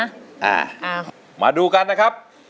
โหไก่โหไก่โหไก่โหไก่โหไก่